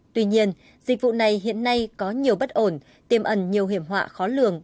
tuy nhiên dịch vụ này hiện nay có nhiều bất ổn tiêm ẩn nhiều hiểm họa khó lường